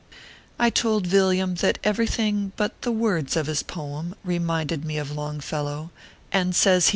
I told Villiam that everything but the words of his poem reminded me of Longfellow, and says he : ORPHEUS C.